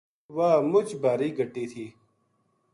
واہ مچ بھاری گٹی تھی